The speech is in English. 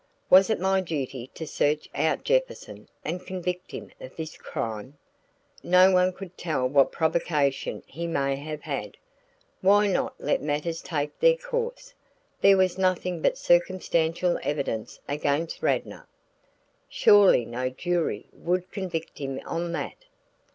Was it my duty to search out Jefferson and convict him of this crime? No one could tell what provocation he may have had. Why not let matters take their course? There was nothing but circumstantial evidence against Radnor. Surely no jury would convict him on that.